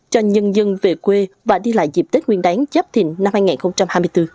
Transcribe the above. cho nhân dân về quê và đi lại dịp tết nguyên đáng chấp thịnh năm hai nghìn hai mươi bốn